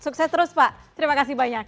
sukses terus pak terima kasih banyak